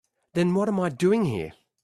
Then what am I doing here?